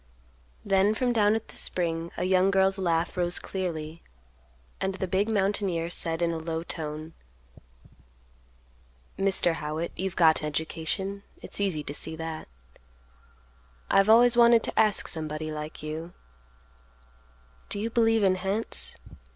Then from down at the spring a young girl's laugh rose clearly, and the big mountaineer said in a low tone, "Mr. Howitt, you've got education; it's easy to see that; I've always wanted to ask somebody like you, do you believe in hants?